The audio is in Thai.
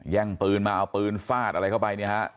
แย่งปืนมาเอาปืนฟาดอะไรเข้าไปเนี่ยฮะ